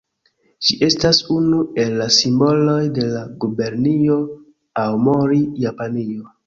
Ĝi estas unu el la simboloj de la Gubernio Aomori, Japanio.